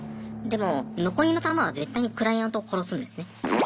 でも残りの弾は絶対にクライアントを殺すんですね。